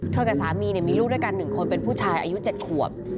กับสามีมีลูกด้วยกัน๑คนเป็นผู้ชายอายุ๗ขวบ